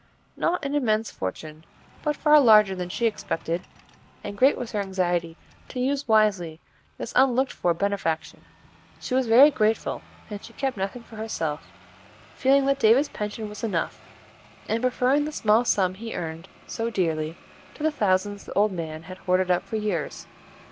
Not an immense fortune, but far larger than she expected, and great was her anxiety to use wisely this unlooked for benefaction. She was very grateful, but she kept nothing for herself, feeling that David's pension was enough, and preferring the small sum he earned so dearly to the thousands the old man had hoarded up for years.